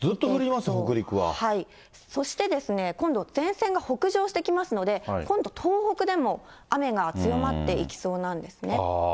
そして今度、前線が北上してきますので、今度、東北でも雨が強まっていきそうなんですね。